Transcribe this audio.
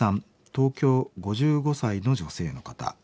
東京５５歳の女性の方。